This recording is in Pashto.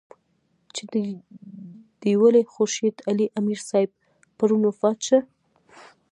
چې د دېولۍ خورشېد علي امير صېب پرون وفات شۀ